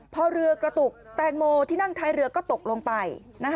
พอเรือกระตุกแตงโมที่นั่งท้ายเรือก็ตกลงไป